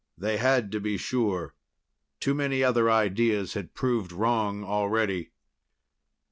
They had to be sure. Too many other ideas had proved wrong already.